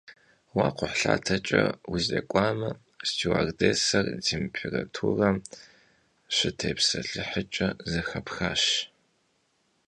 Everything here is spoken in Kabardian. Vue kxhuhlhateç'e vuzêk'uame, stüardêsser têmpêraturem şıtêpselhıhç'e zexepxaş.